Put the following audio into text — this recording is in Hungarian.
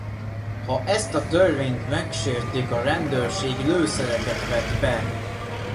Ha ezt a törvényt megsértik a rendőrség lőszereket vet be.